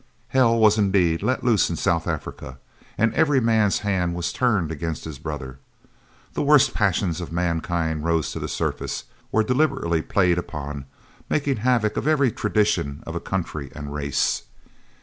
Hell was indeed let loose in South Africa and every man's hand was turned against his brother. The worst passions of mankind rose to the surface, were deliberately played upon, making havoc of every tradition of country and race.